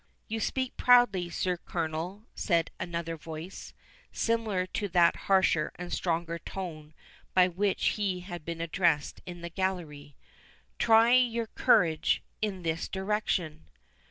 "You speak proudly, Sir Colonel," said another voice, similar to that harsher and stronger tone by which he had been addressed in the gallery; "try your courage in this direction."